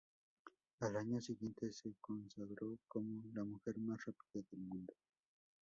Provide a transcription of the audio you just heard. Al año siguiente se consagró como la mujer más rápida del mundo.